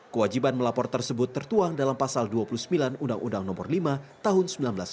kewajiban melapor tersebut tertuang dalam pasal dua puluh sembilan undang undang no lima tahun seribu sembilan ratus sembilan puluh